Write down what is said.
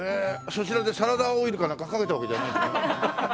そちらでサラダオイルかなんかかけたわけじゃない？